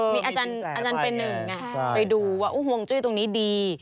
มีอาจารย์เป็นหนึ่งไปดูว่าห่วงจุ้ยตรงนี้ดี